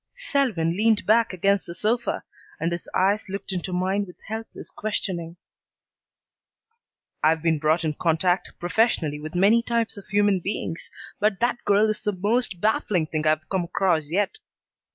Selwyn leaned back against the sofa, and his eyes looked into mine with helpless questioning. "I've been brought in contact professionally with many types of human beings, but that girl is the most baffling thing I've come across yet.